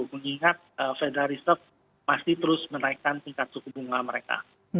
mengingat fedarisep masih terus menaikkan tingkat suku bunga mereka